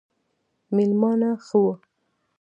مېلمانه ښه وو